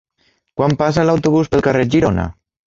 Quan passa l'autobús pel carrer Girona?